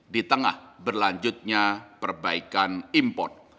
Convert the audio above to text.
di tengah berlanjutnya perbaikan import